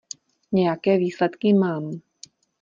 Nějaké výsledky mám.